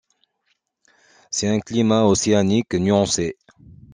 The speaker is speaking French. C'est un climat océanique nuancé.